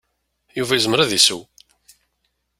Yuba yezmer ad iseww.